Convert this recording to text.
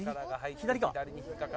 左か。